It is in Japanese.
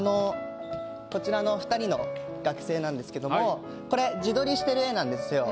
こちらの２人の学生なんですけどもこれ自撮りしてる絵なんですよ。